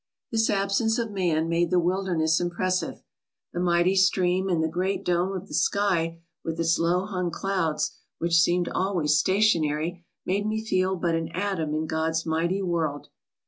This absence of man made the wilderness impressive. The mighty stream and the great dome of the sky with its low hung clouds, which seemed always stationary, made me feel but an atom in God's mighty world.